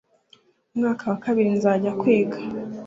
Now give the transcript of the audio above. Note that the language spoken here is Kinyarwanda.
umwaka wa kabiri nzajya kwiga